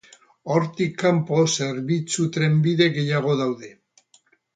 Hortik kanpo zerbitzu-trenbide gehiago daude.